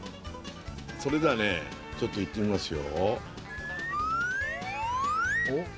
それではねちょっといってみますよ